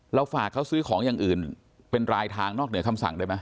ฝากเขาซื้อของอย่างอื่นเป็นรายทางนอกเหนือคำสั่งได้ไหม